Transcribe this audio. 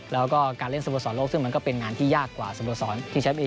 แล้วก็การเล่นสโมสรโลกซึ่งมันก็เป็นงานที่ยากกว่าสโมสรที่แชมป์เอ